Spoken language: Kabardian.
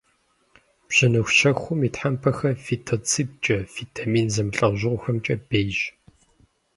Бжьыныхущэхум и тхьэмпэхэр фитонцидкӏэ, витамин зэмылӏэужьыгъуэхэмкӏэ бейщ.